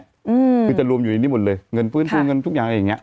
คือจะรวมอยู่ในนี้หมดเลยเงินฟื้นฟูเงินทุกอย่างอะไรอย่างเงี้